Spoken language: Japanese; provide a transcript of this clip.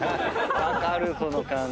分かるその感じ。